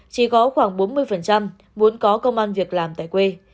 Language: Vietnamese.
chỉ có khoảng bốn mươi muốn có công an việc làm tại quê